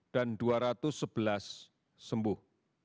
dan dua ratus sebelas sembuh